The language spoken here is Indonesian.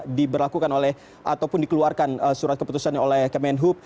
diberlakukan oleh ataupun dikeluarkan surat keputusan oleh kemenhub